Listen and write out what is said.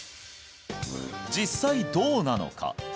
実際どうなのか？